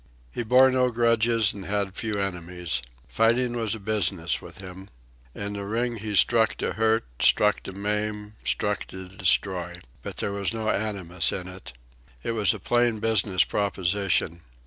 He bore no grudges and had few enemies. Fighting was a business with him. In the ring he struck to hurt, struck to maim, struck to destroy; but there was no animus in it. It was a plain business proposition.